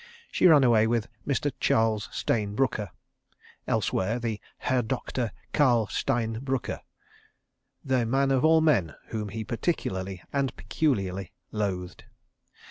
She ran away with Mr. Charles Stayne Brooker (elsewhere the Herr Doktor Karl Stein Brücker), the man of all men, whom he particularly and peculiarly loathed.